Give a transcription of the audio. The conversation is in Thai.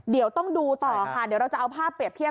เดี๋ยวต้องดูต่อค่ะเดี๋ยวเราจะเอาภาพเปรียบเทียบ